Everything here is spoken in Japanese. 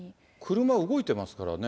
車、動いてますからね。